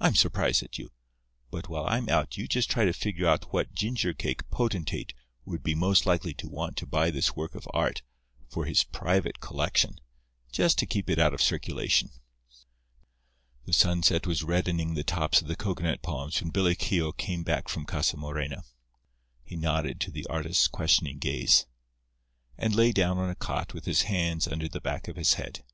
I'm surprised at you. But while I'm out you just try to figure out what ginger cake potentate would be most likely to want to buy this work of art for his private collection—just to keep it out of circulation." The sunset was reddening the tops of the cocoanut palms when Billy Keogh came back from Casa Morena. He nodded to the artist's questioning gaze; and lay down on a cot with his hands under the back of his head.